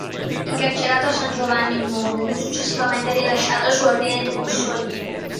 Incarcerato a San Giovanni in Monte fu successivamente rilasciato su ordine di Mussolini.